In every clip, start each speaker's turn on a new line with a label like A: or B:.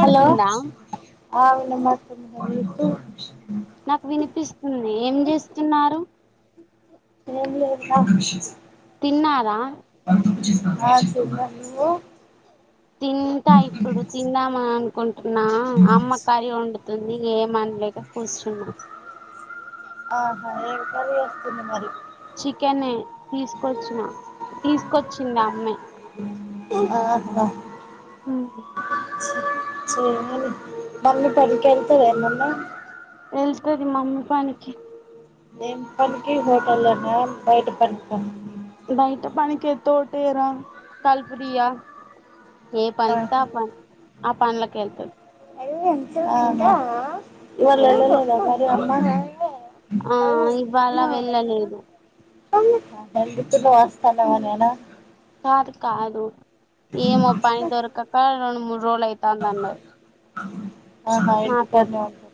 A: Hello
B: నాకు వినిపిస్తుంది ఏం చేస్తున్నారు
A: ఏం లేదు మ
B: తిన్నార
A: ఆ తిన్నాం నువ్వు
B: తింటా ఇప్పుడు తిందామనుకుంటున్నా అమ్మ కర్రి వండుతుంది ఏ వండలేదు కూర్చున్న
A: ఆహా ఏ కర్రీ చేస్తుంది మరి
B: చికె నె తీసుకొచ్చిన తీసుకొచ్చింది అమ్మే
A: ఆహ
B: ఉంది
A: మళ్ళి పని కెళ్తార ఏమన్న
B: వెళ్తుంది మా అమ్మ పనికి
A: ఏం పనికి హోటల్లెనా బయట పనికా
B: బయట పనిికేతై ఓటు వేయరా పల్పరియ్యా ఏ పని ఇత్తె ఆ పనులకి వెళ్తాది
A: ఆహ్ ఇవాళ వెళ్లలేదా మరి అమ్మానాన్న.
B: ఆ ఇవాళ వెళ్ళలేదు
A: ఆహ్. డిత వస్త నైనా.
B: అది కాదు ఏమా పని దొరకాక రెండు మూడు. రోల్ అయితా అనిఅన్నది.
A: ఆహా ఇంటిపట్టునే ఉంటు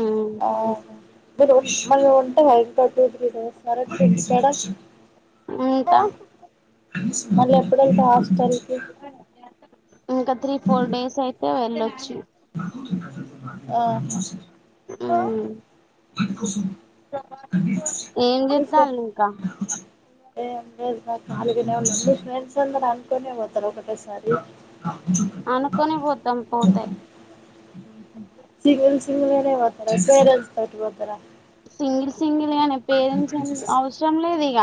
B: ఉమ్
A: అవును. మీరు మరి వంటా [unintelligible]
B: ఉంటా.
A: మళ్ళీ ఎప్పుడైత.
B: ఇంకా త్రీ ఫోర్ డేస్ అయితే వెళ్ళొచ్చు.
A: ఆహ్.
B: ఉమ్. ఏం
A: మీ ఫ్రె
B: చెస్తంలు ఇంకా.
A: ఏం లేదురా ఖాళీగానే ఉన్నాం మీ ఫ్రెండ్స్ అందరు అనుకునే పోతారు ఒకటేసారి.
B: అనుకొనే పోతాం పోతే.
A: సింగిల్ సింగిల్ గానే పోతారా పేరెంట్స్ తోటి పోతారా.
B: సింగిల్ సింగిల్ గానే పేరెంట్స్ ఎందు అవసరం లేదు ఇక.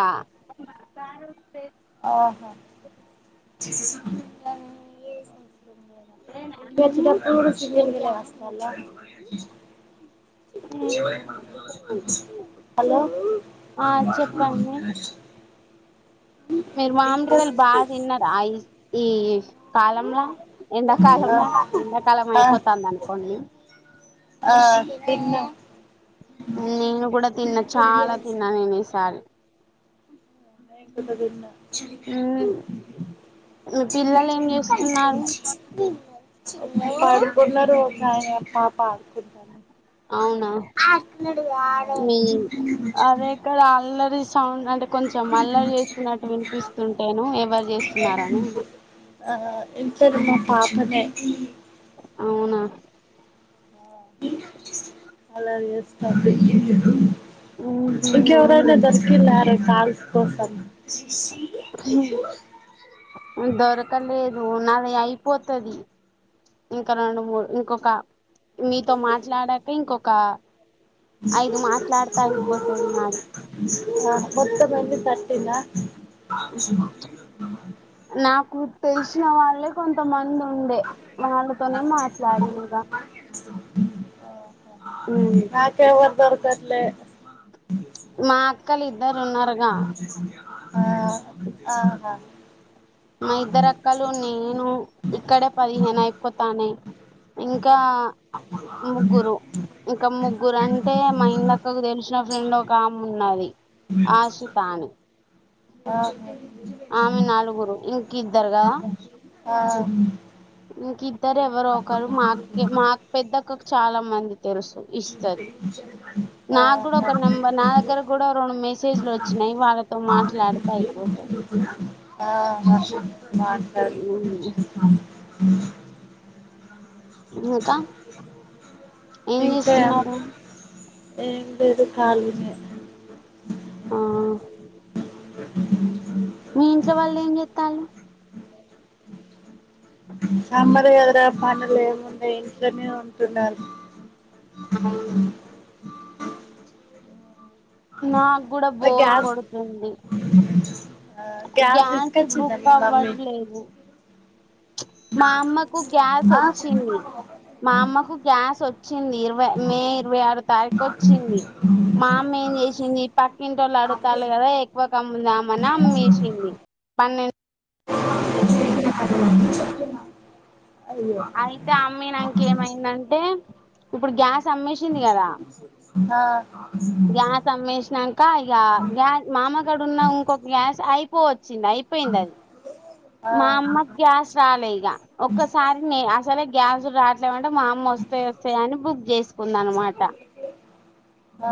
A: ఆహ్. ఇంటికొచ్చేటప్పుడు కుడ సింగిల్గానే వస్తారులే ఉమ్. హలో.
B: ఆ చెప్పండి మీరు మామిడికాయలు బాగా
A: ఇంటికి
B: తిన్నార ఆహ్ ఈ. కాలంలా ఎండకాలంలా ఎండకాలం
A: ఆ
B: అయిపోతుంది అనుకోండి.
A: ఆహ్ తిన్నాం.
B: నేను కూడా తిన్నా చాలా తిన్నా నేను ఈసారి.
A: నేను కూడా తిన్న.
B: ఉమ్ మీ పిల్లలు ఏం చేస్తున్నారు
A: ఉమ్. పాడుకున్నరు ఒక ఆయన పాప ఆడుకుంటుంది.
B: అవునా మీ అదేక్కడ అల్లరి. అవున అంటే కొంచెం అల్లరి చేస్తున్నట్టు వినిపిస్తుంటేను ఎవరు చేస్తున్నారని.
A: ఆహ్. ఇంకెవరు మా పాపనే.
B: అవునా.
A: అలా చేస్తా.
B: ఉహు అవును
A: ఇంకేవరైనా దసుర్కిల్రే కాల్స్కోసం.
B: ఉమ్. దొరకలేదు నాది అయిపోతది ఇంకా రెండు మూడు ఇంకొక. మీతో మాట్లాడాక ఇంకొక. ఐదు మాట్లాడితే అయిపోతది నాది
A: ఆహ్ బొట్టు పోయింది పట్టిందా.
B: నాకు తెలిసిన వాళ్ళే కొంతమంది ఉన్. ఉండే వాళ్ళతోనే మాట్లాడిన ఇగ.
A: ఉమ్. నాకెవ్వరూ దొరకట్లే.
B: పక్కలిద్దరు ఉన్నారుగా.
A: ఆ ఆహా
B: మా ఇద్దరు అక్కలు నేను ఇక్కడే పదిహేను అయిపోతనయ్ ఇంకా ముగ్గురు ఇంకా ముగ్గురు అంటే మా ఇందక్కకు తెలిసిన ఫ్రెండ్ ఒక ఆమె ఉన్నది ఆషితాని
A: ఆహా
B: ఆమె నాలుగురు ఇంక ఇద్దరు కదా ఇంక ఇద్దరు ఎవరు ఒకరు మా అక్కె మా పెద్ద అక్కకు చాలా మంది తెలుసు ఇస్తది నాకు గూడా ఒక
A: మాట్లాడు
B: నెంబర్ నా దగ్గర గూడా రెండు మెసేజ్లు వచ్చినయ్ వాళ్ళతో మాట్లాడితే అయిపోతది
A: ఆహా మాట్లడు
B: ఇంకా ఏం
A: ఇంకా ఏం
B: చేస్తున్నారు
A: ఏం లేదు ఖాళీనే
B: ఆ మీ ఇంట్లో వాళ్ళు ఏం జేత్తాలు
A: సమ్మర్ కదర పండగలు ఏమున్నయ్ ఇంట్లోనే ఉంటున్నారు
B: అవునా నాకు కూడా బోరు
A: గ్యాస్
B: గొడుతుంది గ్యాస్
A: తీసుకొచ్చిందా
B: బుక్
A: మీ మమ్మీ
B: అవ్వట్లేదు మా అమ్మకు గ్యాస్
A: ఆ
B: వచ్చింది మా అమ్మకు గ్యాస్ వచ్చింది ఇరవై మే ఇరవై ఆరు తారీఖు వచ్చిది మా అమ్మ చేసింది పక్కింట్లోళ్ళు అడులుతాళ్ళు కదా ఎక్కువకి అమ్ముదామని అమ్మేసింది పన్నె అమ్మేసింది.
A: అయ్యో
B: అయితే అమ్మినంక ఏమైదంటే ఇప్పుడు గ్యాస్ అమ్మేసింది కదా
A: ఆ
B: గ్యాస్ అమ్మేసినంక ఇగ గ్యా మామగాడ ఉంకో గ్యాస్ అయిపో చింది అయిపోయిందది మా అమ్మకి గ్యాస్ రాలే ఇగ ఒక్కసారిన్నే అసలే గ్యాస్ రాట్లేమంటే మా అమ్మ వస్తయ్ వస్తయ్ అని బుగ్ జేసుకుందనమాట
A: ఆ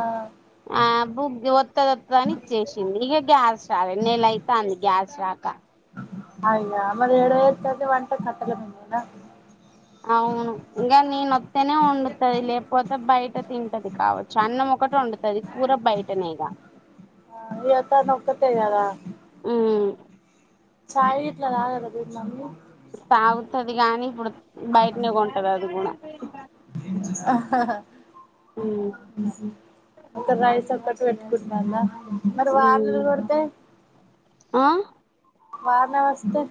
B: ఆ బుగ్ జెవద్ త్తద వత్తదని ఇచ్చేసింది ఇగ గ్యాస్ రాలే నెలై తాంది గ్యాస్ రాక
A: అయ్యే మరి ఏడ చెత్తది వంట కట్టల మీదనేన
B: అవును ఇంగే నేనొత్తేనే వండుతది లేపోతే బయట తింటది కావచ్చు అన్నం ఒకటి వండుతది కూర బయ టేనేగా
A: ఆ ఇగ తన ఒక్కత్తే గద
B: ఉమ్
A: చాయ్ గిట్లా తాగద మీ మమ్మి
B: తాగుతది గాని ఇప్పుడు
A: అ
B: బయటనే కొంటది అది కూడా ఉమ్
A: ఇంక రైస్ ఒక్కటే పెట్టుకుంటాంద మరి
B: ఉమ్
A: వాన్లు గొడితే
B: ఆ
A: వాన వస్తే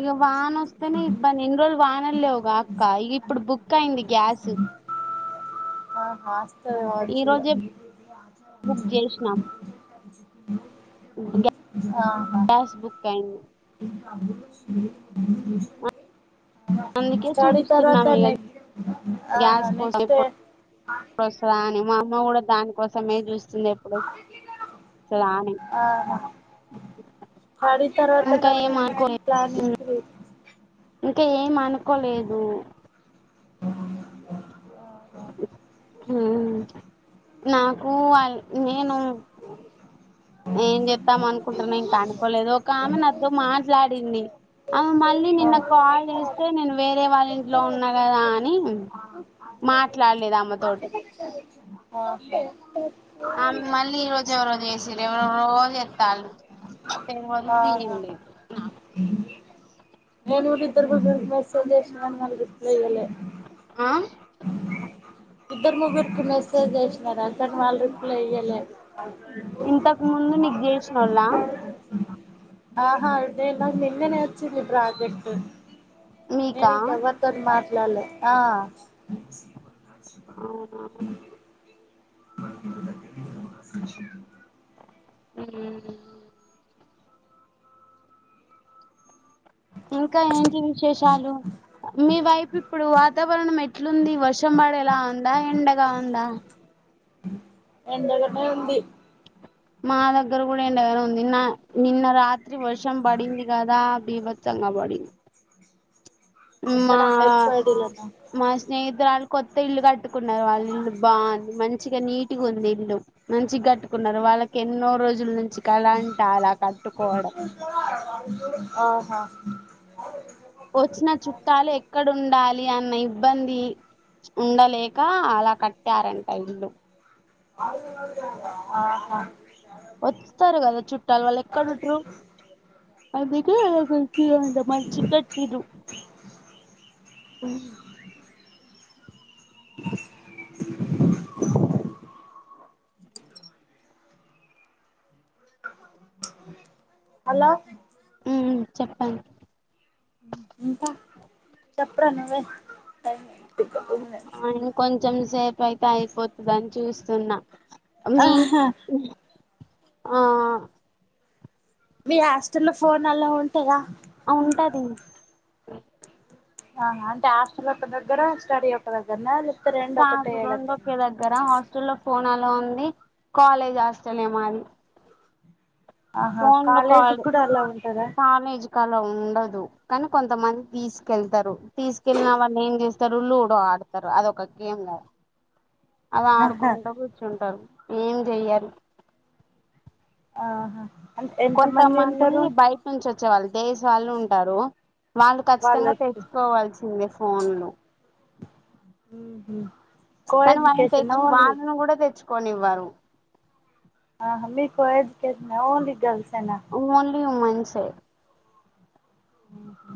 B: ఇగ వాన వస్తేనే ఇబ్బంది ఇన్ని రోలు వానలు లేవుగా అక్క ఇగో ఇప్పుడు బుక్ అయింది గ్యాసు
A: ఒ ఆస్త
B: ఈ
A: పట్టి
B: రోజే బుక్
A: ఇగ
B: చేసినాం
A: ఆహ
B: గ్యాస్ బుక్ అయింది అందుకే
A: స్టడీ తర్వాత
B: చూస్తున్నాం ఇక
A: నెక్స్ట్ ఆహా నెక్స్ట్ ఏం
B: పస్వాని మా అమ్మ కూడా దానికోసమే చూస్తుంది ఎప్పుడు వస్తుందా అని
A: ఆహ ఆడి తర్వాత
B: ఇంకా
A: మళ్ళీ
B: ఏం
A: నెక్స్ట్
B: అనుకోలేదు
A: ప్లాన్ ఏంటి తె
B: ఇంకా ఏం అనుకోలేదు. ఉమ్ నాకు అయ్ నేను ఏం చెత్తాం అనుకుంటున్నా ఇంకా అనుకోలేదు ఒక ఆమె నాతో మాట్లాడింది ఆమె మళ్ళీ నిన్న కాల్ చేస్తే నేను వేరే వాళ్ళ ఇంట్లో ఉన్నా కదా అని మాట్లాడలేదు ఆమెత్
A: ఒ
B: ఆమె మళ్ళీ ఈ రోజు ఎవర్రో చేసిర్రు ఎవరెవరో చేత్తాళ్ళు [inaudible]
A: ఆహా
B: ఫీయంలేదు నా
A: నేను ఊరుద్దరు గుర్ పరిచయం చేస్నా కాని రిప్లై కాని ఇయ్యలే
B: ఆ
A: ఇద్దరు ముగ్గురికి మెసేజ్ చేేసినా కాని వాళ్ రిప్లై ఇయ్యలే
B: ఇంతకు ముందు నీకు చేసినోళ్ళ
A: ఆహా అదే నా నిన్ననే వచ్చింది ప్రాజెక్ట్ నేను
B: మీకా
A: ఇంకెవరితోటి మాట్లాడ్లే ఆ
B: అవ్నా?
A: బ
B: ఉమ్ ఇంకా ఏంటి విశేషాలు మీ వైపు ఇప్పుడు వాతావరణం ఎట్లుంది? వర్షం పడేలా అందా ఎండగా ఉందా?
A: ఎండ గానే ఉంది
B: మా దగ్గర కూడా ఎండగనే ఉంది. నిన్న నిన్న రాత్రి వర్షం పడింది కదా బీభత్స ఆ పడింద్ మా
A: ఎక్కడ హెచ్ వై డి లోనా
B: మా స్నేహితురాల్ కొత్త ఇల్లు కట్టుకున్నారు వాళ్ళు ఇల్లు బాగుంది మంచిగా నీట్ గుంది ఇల్లు మంచిగ్ కట్టుకున్నారు వాళ్ళకి ఎన్నో రోజుల నుంచి కళ అంట అలా కట్టుకోవడం
A: ఆహ
B: లీ అన్న ఇబ్బంది ఉండలేక అలా కట్టారంట ఇల్లు
A: ఆహ
B: వస్తారు కదా చుట్టాలు వాళ్ళు ఎక్కడుట్రు అందుకే గురించి అంత మంచిగ్ కట్టిర్రు ఉమ్
A: అలో
B: ఉమ్ చెప్పండ్
A: ఇంకా చెప్రా నువ్వే ఐ
B: ఆ ఇం కొంచెం సేపు అయితే అయిపోతదని చూస్తున్నా మీన్
A: ఆహా
B: ఆ
A: మీ హాస్టల్ లో ఫోన్ అలో ఉం
B: ఉంటది
A: ఆ అంటే హాస్టల్ ఒక్క దగ్గర స్టడీ ఒక దగ్గర్నా లే
B: కాడు రెండు ఒకే దగ్గర హాస్టల్ లో ఫోన్ ఆలో ఉంది కాలేజ్ హాస్టల్ ఏ మాది
A: ఆహా
B: ఫోన్ లో
A: కాలేజీకి
B: కాదు
A: కూడా అలా ఉంటదా
B: కాలేజ్ కలో ఉండదు కానీ కొంతమంది తీసుకెళ్తారు తీసుకెళ్లిిన వాళ్ళు ఏం చేస్తారు లూడో ఆడుతారు అదొక గేమ్ అది
A: ఆహా
B: ఆడుకుంట కూర్చుంటారు ఏం చెయ్యారు
A: ఆహా అంటే ఎంత మంది
B: కొంతమంది
A: ఉంటారు
B: బయట నుంచి వచ్ డే వాళ్ళు ఉంటారు వాళ్ళు ఖచ్చితంగా
A: వాళ్ళకి
B: తెచ్చుకోవాల్సిందే ఫోన్లు
A: మ్ హు
B: కానీ వాళ్ళని తెచ్ వాళ్ళను కూడా తెచ్చుకొనివ్వారు
A: ఆహా మీ కో ఓన్లీ గల్స్
B: ఓన్లీ ఉమన్సై
A: మ్ హు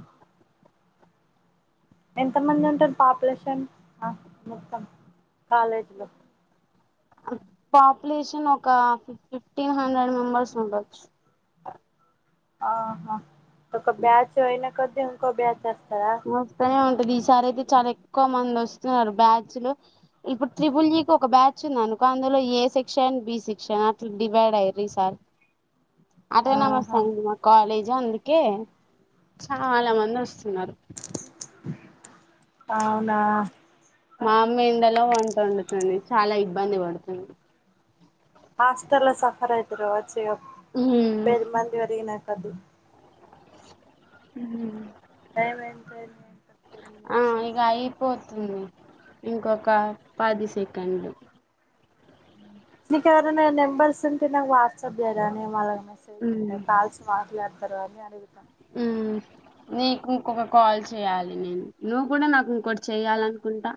A: ఎంత మంది ఉంటారు పాపులేషన్ మొత్తం కాలేజీలో
B: పాపులేషన్ ఒక ఫిఫ్టీన్ హండ్రెడ్ మెంబర్స్ ఉండొచ్చు
A: ఆహా ఒక ఒక బ్యాచ్ అయినా కొద్దీ ఇంకో బ్యాచ్స్త
B: వస్తనే ఉంటది ఈసారి అయితే చాలా ఎక్కువ మంది వస్తున్నారు బ్యాచ్లు ఇప్పుడు త్రిపుల్ ఇ కి ఒక బ్యా చ్ ఉందనుకో అందులో ఏ సెక్షన్ బి సెక్షన్ అట్లా డివైడ్ అయ్యరు ఇ సారి అట్నామస్
A: ఆహా
B: ఆఇంది మ కాాలేజ్ జ్ అందుకే చాలా మంది వస్తున్నారు
A: అవునా
B: మా అమ్మ ఎండలో వంట వండుతుంది చాలా ఇబ్బంది పడుతుంది
A: హాస్టెల్ లో సఫర్ అయితరు కావచ్చు ఇగ
B: ఉ
A: బె మంది పెరిగిన కోద్ది
B: మ్
A: టైం ఎంత ఆఇంది ఇంకా టెన్ మినిట్స్
B: మ్ ఇంకొక పది సెకండ్లు
A: నిక్ ఎవరినైనా నెంబర్స్ ఉంటే నాకు వాట్సాప్ చేయరా నిను మల్ మెసేజ్ పెడుతా కాల్స్ మాట్లాడుతారో అని అడుగుత
B: మ్ నీకు ఇంకొక కాల్ చేయ్యాలి నేను నువ్వు కూడా నాకు ఇంకోటి చెయ్యాలనుకుంటా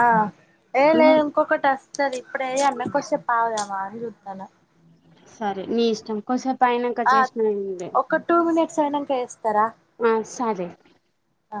A: ఆ ఏే లేదు ఇంకొకటస్ స్తది ఇప్పుడే చేయాల్నా కొదిసేపు ఆగుదామా అని చుతన
B: సరే నీ ఇష్టంకోసెప్
A: ఆ ఒక టూ మినిట్స్ అయినాక చేస్తారా
B: ఆ సరే
A: ఆ